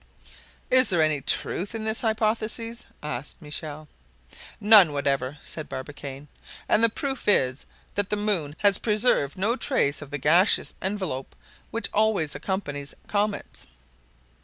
"Is there any truth in this hypothesis?" asked Michel. "None whatever," said Barbicane, "and the proof is, that the moon has preserved no trace of the gaseous envelope which always accompanies comets."